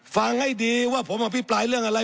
ฟังให้ดีว่าผมอภิปรายเรื่องอะไร